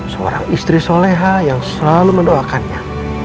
seorang istri soleha yang selalu mendoakannya